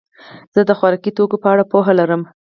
زه د خوراکي توکو په اړه پوهه لرم.